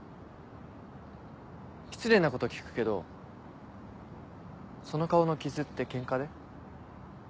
失礼なこと聞くけどその顔の傷ってケンカで？